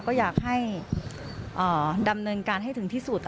ก็อยากให้ดำเนินการให้ถึงที่สุด